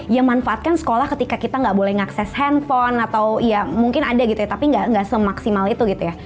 yang manfaatkan sekolah ketika kita nggak boleh ngakses handphone atau ya mungkin ada gitu ya tapi nggak semaksimal itu gitu ya